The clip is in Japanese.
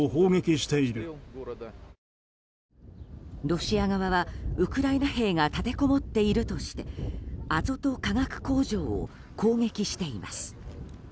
ロシア側は、ウクライナ兵が立てこもっているとしてアゾト化学工場を攻撃しています。